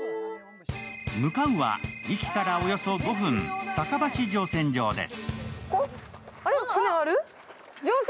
向かうはｉｋｉからおよそ５分、高橋乗船場です。